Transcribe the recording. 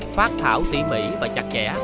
phát thảo tỉ mỉ và chặt chẽ